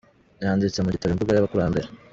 Byanditse mu gitabo : Imvugo y’Abakurambere.